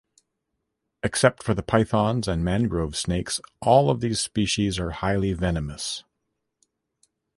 Except for the pythons and mangrove snakes, all of these species are highly venomous.